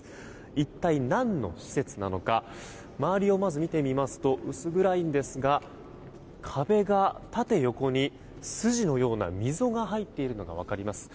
一体何の施設なのか周りをまず、見てみますと薄暗いんですが壁が縦横に筋のような溝が入っているのが分かります。